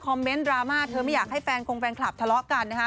เมนต์ดราม่าเธอไม่อยากให้แฟนคงแฟนคลับทะเลาะกันนะคะ